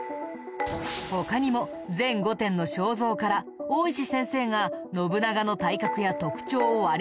他にも全５点の肖像から大石先生が信長の体格や特徴を割り出してくれたよ。